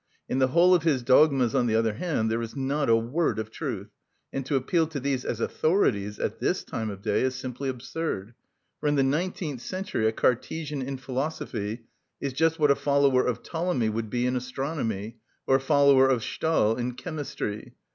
In the whole of his dogmas, on the other hand, there is not a word of truth; and to appeal to these as authorities at this time of day is simply absurd. For in the nineteenth century a Cartesian in philosophy is just what a follower of Ptolemy would be in astronomy, or a follower of Stahl in chemistry.